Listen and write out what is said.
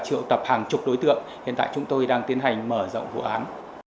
triệu tập hàng chục đối tượng hiện tại chúng tôi đang tiến hành mở rộng vụ án